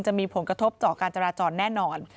จะมีผลกระทบต่อการจราจรแน่นอน